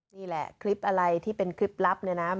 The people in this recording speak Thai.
นี่แหละคลิปอะไรที่เป็นคลิปลับเนี่ยนะ